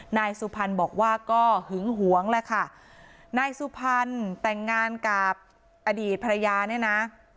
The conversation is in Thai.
นายสุพรรณบอกว่าก็หึงหวงแหละค่ะนายสุพรรณแต่งงานกับอดีตภรรยาเนี่ยนะ